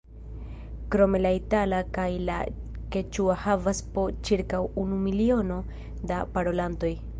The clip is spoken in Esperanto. Krome la itala kaj la keĉua havas po ĉirkaŭ unu miliono da parolantoj.